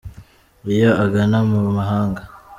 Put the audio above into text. Iyo agana mu mahanga.